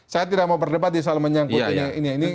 saya tidak mau berdebat soal menyangkut ini